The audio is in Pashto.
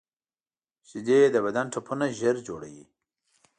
شیدې د بدن ټپونه ژر جوړوي